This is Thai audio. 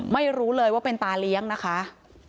ไม่รู้เลยว่าเป็นตาเลี้ยงนะคะ